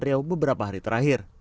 riau beberapa hari terakhir